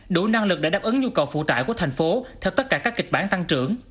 đủ năng lực để đáp ứng nhu cầu phụ tải của thành phố theo tất cả các kịch bản tăng trưởng